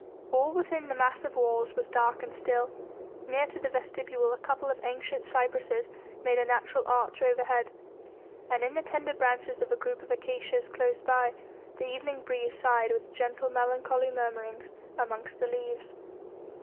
All within the massive walls was dark and still; near to the vestibule a couple of ancient cypresses made a natural arch overhead, and in the tender branches of a group of acacias close by, the evening breeze sighed with gentle, melancholy murmurings amongst the leaves.